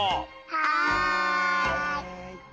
はい！